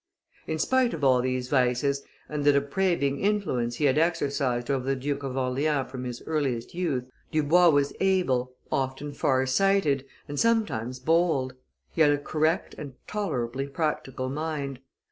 In spite of all these vices, and the depraving influence he had exercised over the Duke of Orleans from his earliest youth, Dubois was able, often far sighted, and sometimes bold; he had a correct and tolerably practical mind.